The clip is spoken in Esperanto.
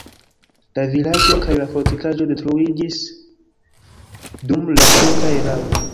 La vilaĝo kaj la fortikaĵo detruiĝis dum la turka erao.